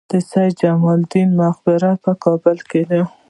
د سید جمال الدین مقبره په کابل کې ده